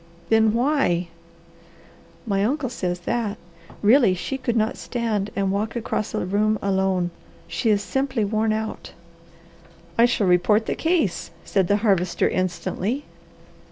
"Then why " "My uncle says that. Really, she could not stand and walk across a room alone. She is simply worn out." "I shall report the case," said the Harvester instantly.